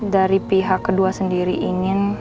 dari pihak kedua sendiri ingin